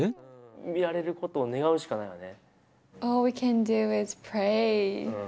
見られることを願うしかないよね。